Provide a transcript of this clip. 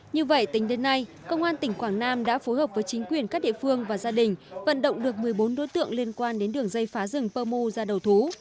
như vậy tính đến nay công an tỉnh quảng nam đã phối hợp với chính quyền các địa phương và gia đình vận động được một mươi bốn đối tượng liên quan đến đường dây phá rừng pơ mu ra đầu thú